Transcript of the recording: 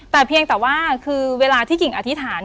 แต่เพียงแต่ว่าคือเวลาที่กิ่งอธิษฐาน